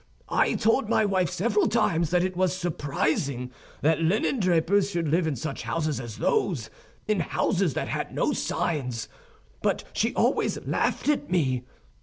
I told my wife several times that it was surprising that linen drapers should live in such houses as those, in houses that had no signs; but she always laughed at me.